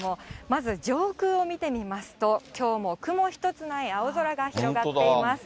まず上空を見てみますと、きょうも雲一つない青空が広がっています。